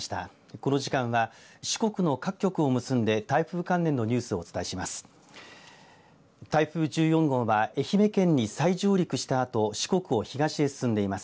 この時間は四国の各局を結んで台風関連のニュースをお伝えします。